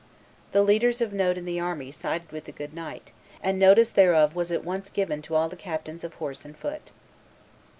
'" The leaders of note in the army sided with the good knight, "and notice thereof was at once given to all the captains of horse and foot."